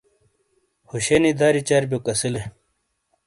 ہوشے نی دری چربیوک اسیلے۔